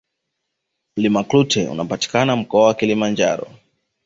mlima klute unapatikana mkoa wa kilimanjaro